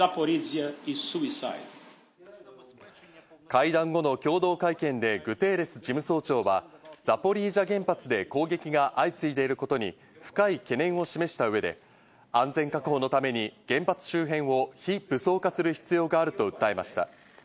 会談後の共同会見でグテーレス事務総長は、ザポリージャ原発で攻撃が相次いでいることに深い懸念を示した上で、安全確保のために原発の周辺を非武装化する必要があると訴えました。